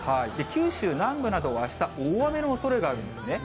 九州南部などは、あした、大雨のおそれがあるんですね。